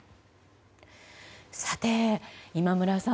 さて、今村さん